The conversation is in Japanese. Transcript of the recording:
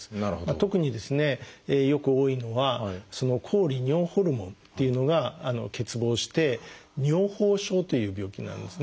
特にですねよく多いのは「抗利尿ホルモン」っていうのが欠乏して「尿崩症」という病気になるんですね。